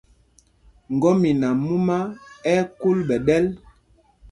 Ŋgɔmina mumá ɛ́ ɛ́ kúl ɓɛ̌ ɗɛl.